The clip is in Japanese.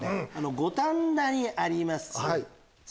五反田にあります。